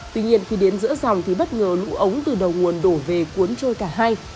tuy nhiên khi đến giữa dòng thì bất ngờ lũ ống từ đầu nguồn đổ về cuốn trôi cả hai